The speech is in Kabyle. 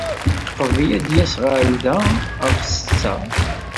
Yeqbel ad d-yas ɣer da ɣef ssetta.